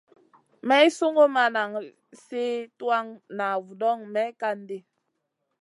Maï sungu ma nan sli tuwan na vudoŋ may kan ɗi.